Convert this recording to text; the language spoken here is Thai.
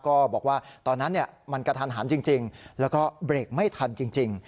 ก็บอกว่าตอนนั้นมันกระทันหันจริงแล้วก็เบรกไม่ทันจริง